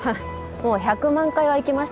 もう１００万回は行きましたかね。